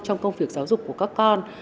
trong công việc giáo dục của các con